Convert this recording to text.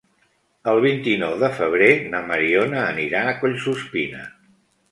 El vint-i-nou de febrer na Mariona anirà a Collsuspina.